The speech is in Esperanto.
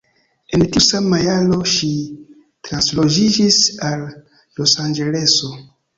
En tiu sama jaro ŝi transloĝiĝis al Losanĝeleso.